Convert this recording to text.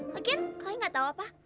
lagi kalian gak tau apa